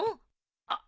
あっ！？